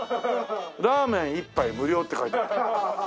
「ラーメン１杯無料！」って書いてある。